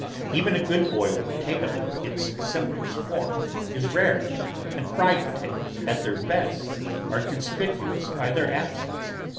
Even a good boiled potato — its simplest form — is rare, and fried potatoes, at their best, are conspicuous by their ab sence.